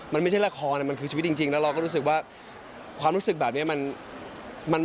มันไม่ใช่ละครมันคือชีวิตจริงแล้วเราก็รู้สึกว่าความรู้สึกแบบนี้มัน